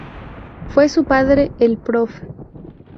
Fue su padre el Prof.